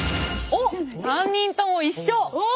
おっ３人とも一緒。